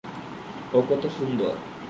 ও কত সুন্দর!